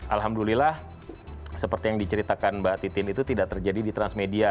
alhamdulillah seperti yang diceritakan mbak titin itu tidak terjadi di transmedia